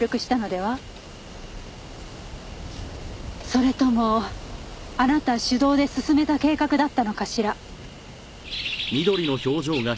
それともあなた主導で進めた計画だったのかしら？